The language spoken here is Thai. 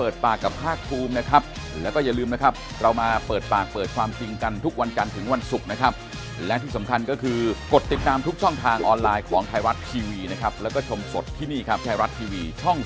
เดี๋ยวดูตัวเลขอีกที